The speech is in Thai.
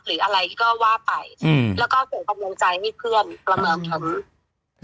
หรืออะไรก็ว่าไปแล้วก็ส่งความลงใจให้เพื่อน